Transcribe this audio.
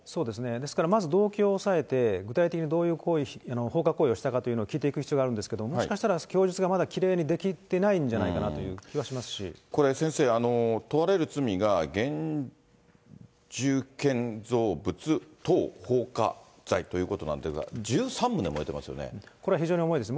ですからまず動機を押さえて、具体的にどういう行為、放火行為をしたのかということを聞いていく必要があるんですけど、もしかしたら供述がきれいに出切ってないんじゃないかなという気これ、先生、問われる罪が現住建造物等放火罪ということなんですが、これ、非常に重いですね。